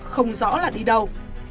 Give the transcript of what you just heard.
không rõ là đi đâu